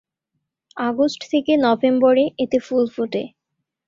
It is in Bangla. আগস্ট থেকে নভেম্বরে এতে ফুল ফোটে।